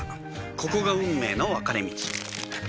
ここが運命の分かれ道